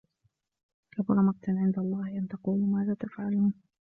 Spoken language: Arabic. كَبُرَ مَقتًا عِندَ اللَّهِ أَن تَقولوا ما لا تَفعَلونَ